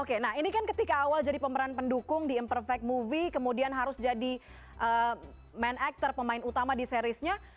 oke nah ini kan ketika awal jadi pemeran pendukung di imperfect movie kemudian harus jadi main actor pemain utama di seriesnya